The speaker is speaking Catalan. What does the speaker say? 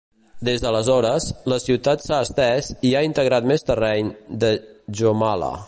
Des d'aleshores, la ciutat s'ha estès i ha integrat més terreny de Jomala.